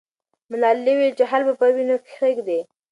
ملالۍ وویل چې خال به پر وینو کښېږدي.